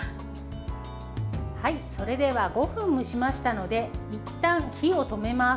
それでは、５分蒸しましたのでいったん火を止めます。